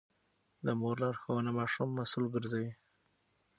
د مور لارښوونه ماشوم مسوول ګرځوي.